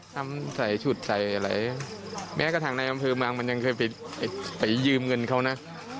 ทำใส่ชุดใส่อะไรแม้กระทั่งในอำเภอเมืองมันยังเคยไปยืมเงินเขานะ